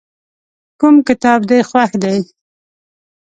کوم کتاب دې خوښ دی.